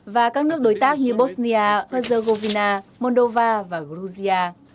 và các nước đối tác như bosnia herzegovina moldova và georgia